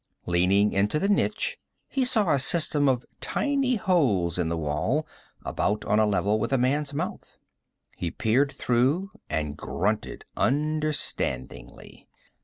Leaning into the niche he saw a system of tiny holes in the wall, about on a level with a man's mouth. He peered through, and grunted understandingly.